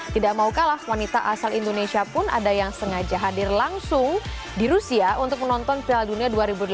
tidak mau kalah wanita asal indonesia pun ada yang sengaja hadir langsung di rusia untuk menonton piala dunia dua ribu delapan belas